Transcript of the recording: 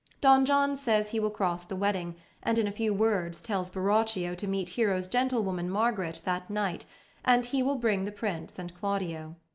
Don John says he will cross the wedding, and in a few words tells Borachio to meet Hero's gentlewoman, Margaret, that night, and he will bring the Prince and Claudio.